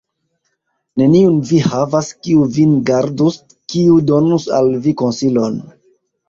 Neniun vi havas, kiu vin gardus, kiu donus al vi konsilon.